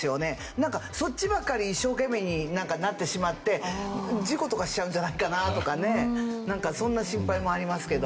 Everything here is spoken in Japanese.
なんかそっちばっかり一生懸命になってしまって事故とかしちゃうんじゃないかなとかねなんかそんな心配もありますけど。